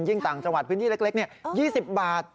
ยิ่งต่างจังหวัดพื้นที่เล็กนี่๒๐บาท